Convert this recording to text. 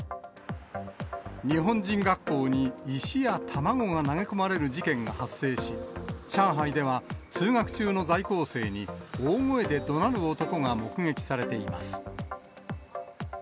日本人学校に石や卵が投げ込まれる事件が発生し、上海では通学中の在校生に大声でどなる男が目撃されています。